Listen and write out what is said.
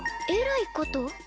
えらいこと？